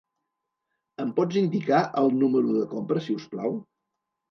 Em pots indicar el número de compra, si us plau?